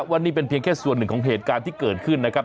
วันนี้เป็นเพียงแค่ส่วนหนึ่งของเหตุการณ์ที่เกิดขึ้นนะครับ